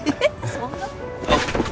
そんな事。